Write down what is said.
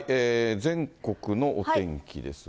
全国のお天気ですが。